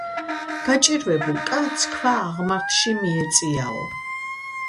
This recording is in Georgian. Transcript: გაჭირვებულ კაცს ქვა აღმართში მიეწიაო